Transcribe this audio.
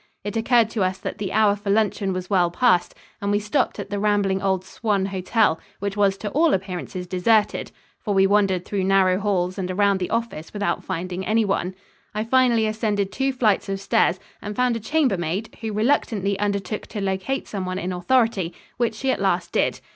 It occurred to us that the hour for luncheon was well past, and we stopped at the rambling old Swan Hotel, which was to all appearances deserted, for we wandered through narrow halls and around the office without finding anyone. I finally ascended two flights of stairs and found a chambermaid, who reluctantly undertook to locate someone in authority, which she at last did.